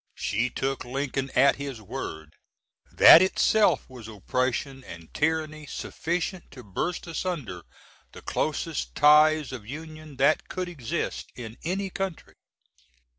She took Lincoln at his word that itself was oppression & tyranny sufficient to burst asunder the closest ties of Union that could exist in any Country.